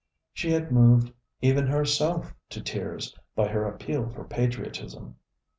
She had moved even herself to tears by her appeal for patriotism.